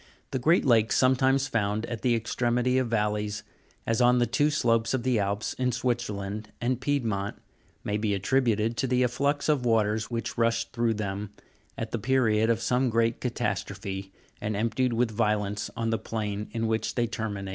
The great lakes sometimes found at the extremity of valleys, as on the two slopes of the Alp. ;, in Switzerland and Piedmont, may be attributed to the afflux of waters which rushed through them, at the period of some great ca tastrophe, and emptied with violence on the plain in which they terminated.